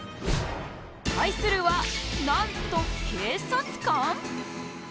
対するは、なんと警察官？